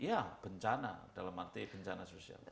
iya bencana dalam arti bencana sosial